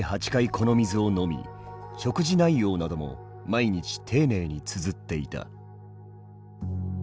この水を飲み食事内容なども毎日丁寧につづっていた。